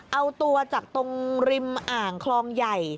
เอาตัวจากตรงริมอ่างคลองใหญ่